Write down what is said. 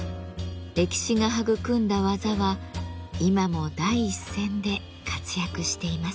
歴史が育んだ技は今も第一線で活躍しています。